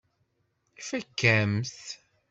Ifakk-am-t.